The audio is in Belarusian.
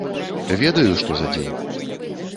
Ведаю, што за дзень.